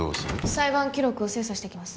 裁判記録を精査してきます